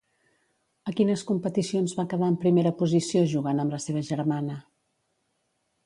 A quines competicions va quedar en primera posició jugant amb la seva germana?